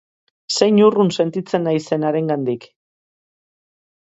Zein urrun sentitzen naizen harengandik!